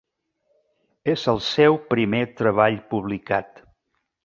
És el seu primer treball publicat.